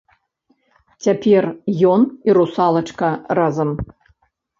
Цяпер ён і русалачка разам.